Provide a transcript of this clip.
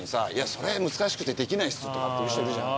「それ難しくてできないっす」とかって言う人いるじゃん。